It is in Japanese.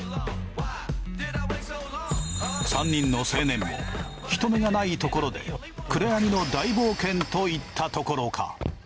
３人の青年も人目がないところで暗闇の大冒険といったところか。